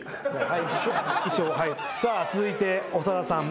さあ続いて長田さん。